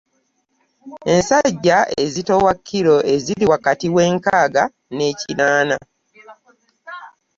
Ensajja ezitowa kkiro eziri wakati w’enkaaga n’ekinaana.